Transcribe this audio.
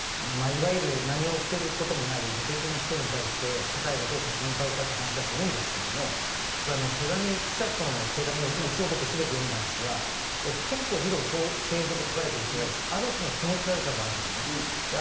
何を捨てることもない無敵の人に対して社会がどう立ち向かうかですけれども、記者との手紙を僕、一応全て読んだんですが結構、理路整然と書かれていて、ある種の気持ち悪さがあるんですね。